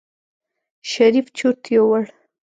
شريف چورت يوړ.